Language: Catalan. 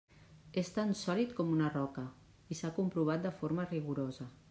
És tan sòlid com una roca i s'ha comprovat de forma rigorosa.